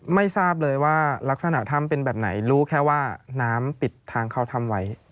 ไม่ทราบเลยว่ารักษณะถ้ำเป็นแบบไหนรู้แค่ว่าน้ำปิดทางเข้าถ้ำไว้